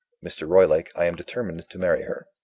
Mr. Roylake, I am determined to marry her.